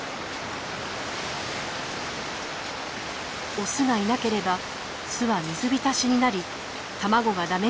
オスがいなければ巣は水浸しになり卵がだめになります。